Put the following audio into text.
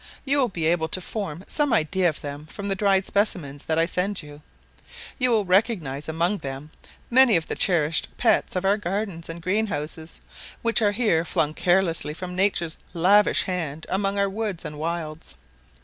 You will be able to form some idea of them from the dried specimens that I send you. You will recognize among them many of the cherished pets of our gardens and green houses, which are here flung carelessly from Nature's lavish hand among our woods and wilds.